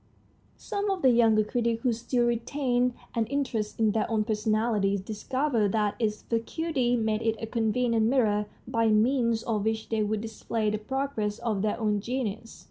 Some of the younger critics, who still retained an interest in their own personalities, discovered that its vacuity made it a convenient mirror by means of which they would display the progress of their own genius.